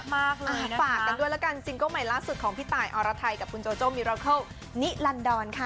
มากเลยฝากกันด้วยแล้วกันซิงเกิ้ลใหม่ล่าสุดของพี่ตายอรไทยกับคุณโจโจ้มิรอเคิลนิลันดอนค่ะ